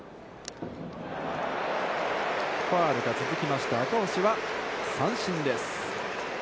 ファウルが続きまして赤星は三振です。